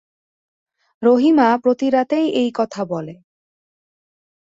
রহিমা প্রতি রাতেই এই কথা বলে।